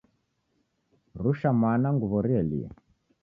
Rusha mwana nguw'o rielie.